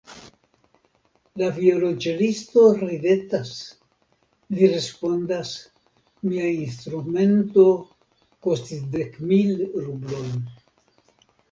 La violonĉelisto ridetas; li respondas: Mia instrumento kostis dek mil rublojn.